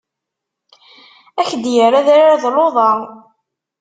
Ad ak-d-yerr adrar d luḍa.